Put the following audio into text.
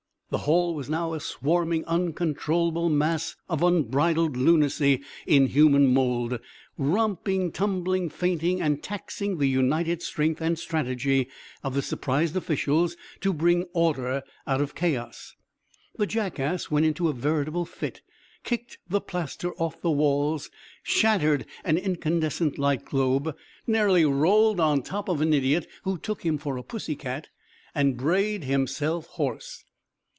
The hall was now a swarming, uncontrollable mass of unbridled lunacy in human mould; romping, tumbling, fainting, and taxing the united strength and strategy of the surprised officials to bring order out of chaos. The jackass went into a veritable fit, kicked the plaster off the walls, shattered an incandescent light globe, nearly rolled on top of an idiot who took him for a pussy cat, and brayed himself hoarse.